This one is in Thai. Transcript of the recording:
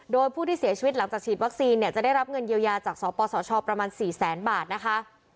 โดยผู้ที่เสียชีวิตหลังจากฉีดวัคซีนเนี่ยจะได้รับเงินเยียวยาจากสปสชประมาณ๔แสนบาทนะคะ